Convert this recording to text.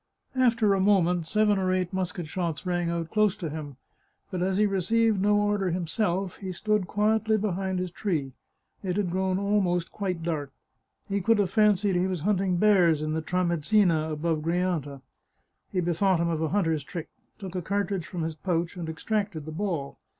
After a moment seven or eight musket shots rang out close to him, but as he received no order himself he stood quietly behind his tree. It had grown almost quite dark ; he could have fan cied he was hunting bears in the Tramezzina, above Gri anta. He bethought him of a hunter's trick : took a car tridge from his pouch and extracted the ball.